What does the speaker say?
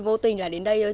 vô tình là đến đây thôi